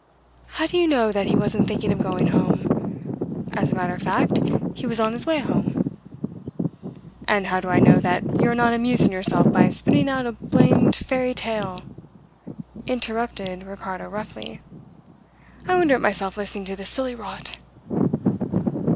"How do you know that he wasn't thinking of going home? As a matter of fact, he was on his way home." "And how do I know that you are not amusing yourself by spinning out a blamed fairy tale?" interrupted Ricardo roughly. "I wonder at myself listening to the silly rot!"